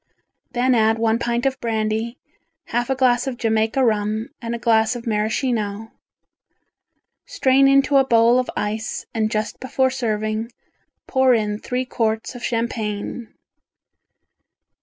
Then add one pint of brandy, half a glass of Jamaica rum and a glass of Maraschino. Strain into a bowl of ice and just before serving, pour in three quarts of champagne.